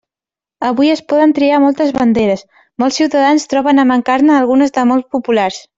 Avui es poden triar moltes banderes, molts ciutadans troben a mancar-ne algunes de molt populars.